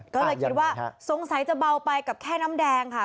ก็เลยคิดว่าสงสัยจะเบาไปกับแค่น้ำแดงค่ะ